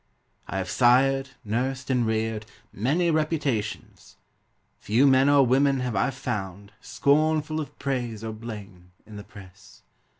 I have sired, nursed and reared Many reputations. Few men or women have I found Scornful of praise or blame In the press.